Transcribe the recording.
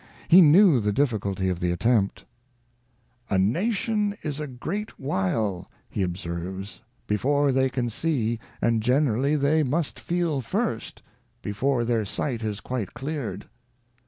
He knew the difficulty of the attempt. 'A XVlll INTRODUCTION. ' A Nation is a great while ', he observes, ' before they can see, and generally they must feel first before their Sight is quite cleared.